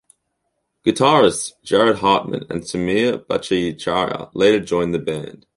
Guitarists Jared Hartmann and Sameer Bhattacharya later joined the band.